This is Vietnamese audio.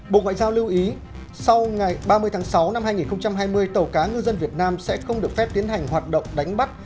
bộ ngoại giao lưu ý sau ngày ba mươi tháng sáu năm hai nghìn hai mươi tàu cá ngư dân việt nam sẽ không được phép tiến hành hoạt động đánh bắt